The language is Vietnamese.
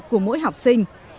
của mỗi học sinh